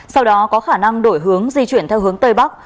sau đó có khả năng đổi hướng di chuyển theo hướng tây bắc